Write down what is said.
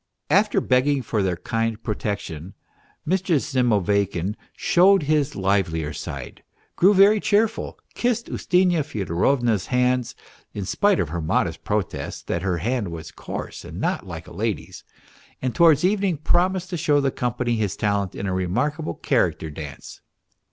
After begging for their kind protection Mr. Zimoveykin showed his livelier side, grew very cheerful, kissed Ustinya Fyodorovna's hands, in spite of her modest protests that her hand was coarse and not like a lady's ; and towards evening promised to show the company his talent in a remarkable character dance.